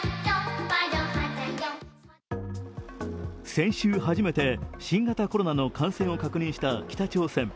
先週初めて新型コロナの感染を確認した北朝鮮。